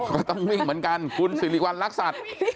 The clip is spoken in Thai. ก็ต้องวิ่งเหมือนกันคุณสิริวัณรักษัตริย์